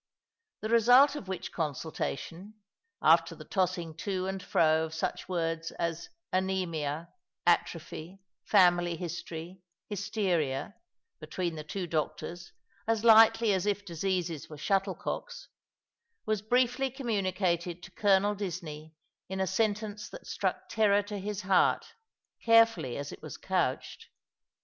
The result of which consultation — after the tossing to and fro of such words as anrsmia, atrophy, family history, hysteria, between the two doctors, as lightly as if diseases were shuttle cocks — was briefly communicated to Colonel Disney in a sentence that struck terror to his heart, carefully as it was couched.